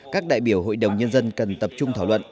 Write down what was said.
các đại biểu hội đồng nhân dân cần tập trung thảo luận